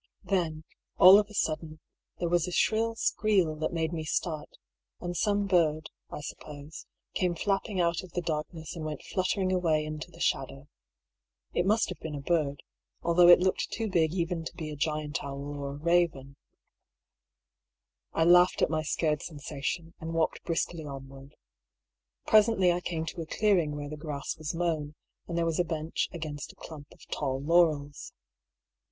Then, all of a sudden, there was a shrill skreel that made me start; and some bird, I suppose, came flapping out of the darkness and went fluttering away into the shadow. It must have been a EXTRACT FROM DIARY OP HUGH PAULL. 45 bird, although it looked too big even to be a giant owl or a raven. I laughed at my scared sensation, and walked briskly onward. Presently I came to a clearing where the grass was toown, and there was a bench against a clump of tall laurels.